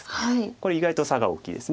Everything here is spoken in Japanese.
これ意外と差が大きいです。